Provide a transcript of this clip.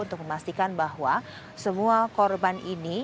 untuk memastikan bahwa semua korban ini